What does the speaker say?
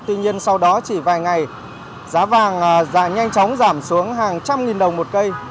tuy nhiên sau đó chỉ vài ngày giá vàng giả nhanh chóng giảm xuống hàng trăm nghìn đồng một cây